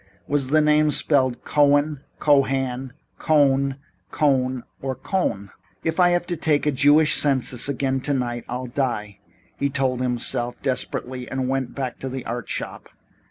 Was the name spelled Cohen, Cohan, Cohn, Kohn or Coen? "If I have to take a Jewish census again tonight I'll die," he told himself desperately, and went back to the art shop.